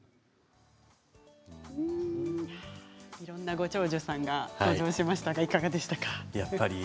いろんなご長寿さんが登場しましたがいかがでしたか。